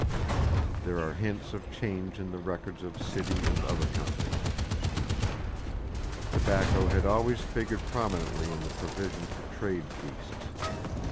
There are hints of change in the records of City and other companies. Tobacco had always figured prominently in the provision for trade feasts.